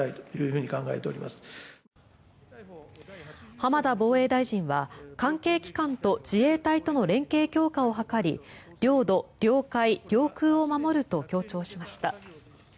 浜田防衛大臣は関係機関と自衛隊との連携強化を図り領土・領海・領空を守ると強調しました。